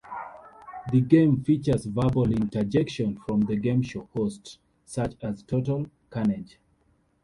The game features verbal interjections from the gameshow host such as Total Carnage!